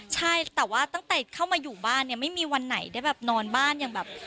ใช่แต่ว่าตั้งแต่เข้ามาอยู่บ้านเนี่ยไม่มีวันไหนได้แบบนอนบ้านอย่างแบบ